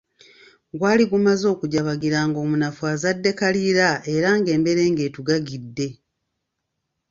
Gwali gumaze okujabagira ng'omunafu azadde kaliira era ng'emberenge etugagidde.